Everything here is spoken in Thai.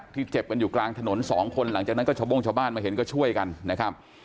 เจ็บกันอยู่กลางถนนสองคนหลังจากนั้นก็ชาวโบ้งชาวบ้านมาเห็นก็ช่วยกันนะครับ